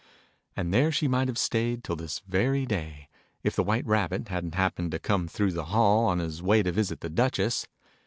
And there she might have staid, till this very day, if the White Rabbit hadn't happened to come through the hall, on his way to visit the Duchess.